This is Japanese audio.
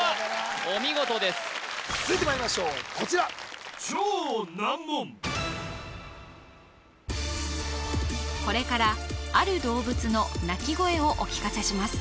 お見事です続いてまいりましょうこちらこれからある動物の鳴き声をお聞かせします